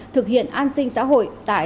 thực hiện an sinh xã hội tại